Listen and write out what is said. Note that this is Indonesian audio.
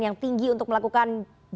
yang tinggi untuk melakukan